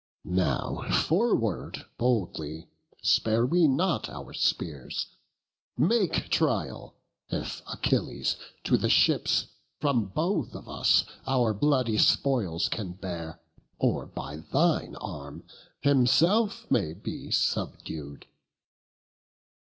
Now, forward boldly! spare we not our spears; Make trial if Achilles to the ships From both of us our bloody spoils can bear, Or by thine arm himself may be subdued."